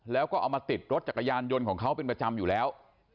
แล้วก็เอามาติดรถจักรยานยนต์ของเขาเป็นประจำอยู่แล้ว